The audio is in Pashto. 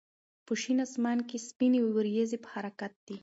په شین اسمان کې سپینې وريځې په حرکت دي.